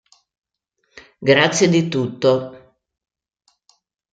Grazie di tutto